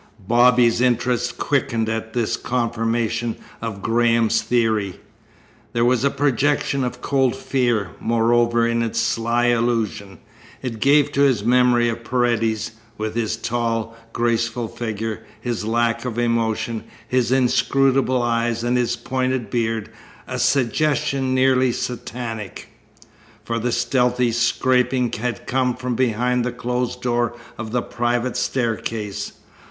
Bobby's interest quickened at this confirmation of Graham's theory. There was a projection of cold fear, moreover, in its sly allusion. It gave to his memory of Paredes, with his tall, graceful figure, his lack of emotion, his inscrutable eyes, and his pointed beard, a suggestion nearly satanic. For the stealthy scraping had come from behind the closed door of the private staircase.